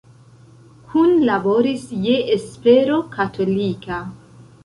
Kunlaboris je Espero Katolika.